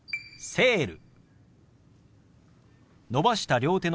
「セール」。